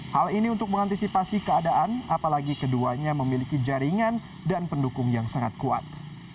hal ini untuk mengantisipasi keadaan apalagi keduanya memiliki jaringan dan pendukung yang sangat kuat